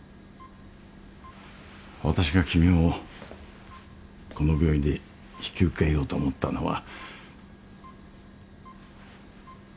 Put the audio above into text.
私が君をこの病院で引き受けようと思ったのは。